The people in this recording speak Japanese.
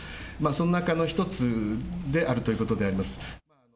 その中の一つであるということであります。